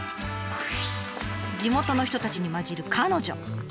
地元の人たちに交じる彼女。